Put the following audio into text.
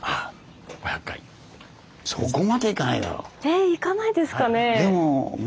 えいかないですかね。